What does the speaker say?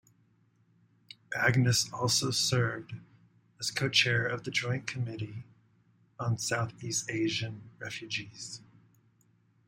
Agnos also served as co-chair of the Joint Committee on South East Asian Refugees.